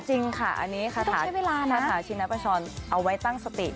จริงค่ะอันนี้คาถาชิณปัญชอนเอาไปตั้งสติ